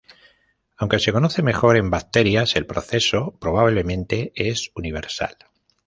Aunque se conoce mejor en bacterias, el proceso probablemente es universal.